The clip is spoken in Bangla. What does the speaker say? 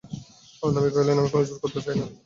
আনন্দময়ী কহিলেন, আমি কোনো জোর করতে চাই নে।